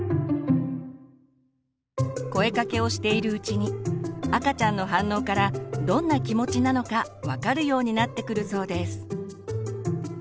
声かけをしているうちに赤ちゃんの反応からどんな気持ちなのか分かるようになってくるそうです。